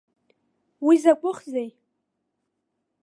Уи закәыхзеи!